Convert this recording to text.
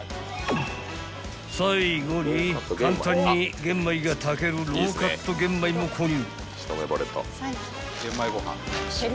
［最後に簡単に玄米が炊けるロウカット玄米も購入］